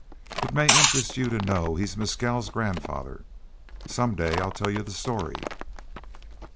It may interest you to know he is Mescal's grandfather. Some day I'll tell you the story."